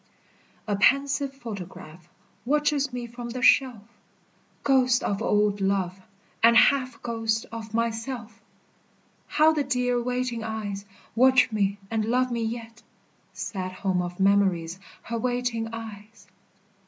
A pensive photograph Watches me from the shelf Ghost of old love, and half Ghost of myself! How the dear waiting eyes Watch me and love me yet Sad home of memories, Her waiting eyes!